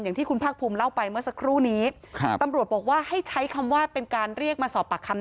อย่างที่คุณภาคภูมิเล่าไปเมื่อสักครู่นี้ครับตำรวจบอกว่าให้ใช้คำว่าเป็นการเรียกมาสอบปากคำ